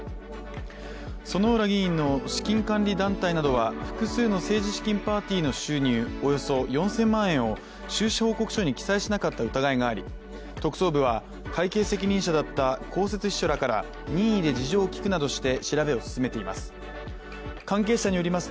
薗浦議員の資金管理団体などは複数の政治資金パーティーの収入およそ４０００万円を収支報告書に記載しなかった疑いがあり特捜部は会計責任者だった公設秘書らから任意で事情を聴くなどして調べを進めています。